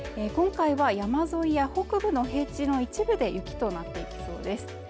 今回は山沿いや北部の平地の一部で雪となったそうです